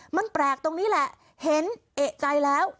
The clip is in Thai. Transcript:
มันแปลกตรงนี้แหละเห็นเอกใจแล้ว